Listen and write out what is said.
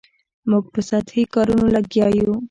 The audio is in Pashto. موږ په سطحي کارونو لګیا یو.